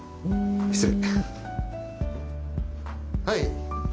はい？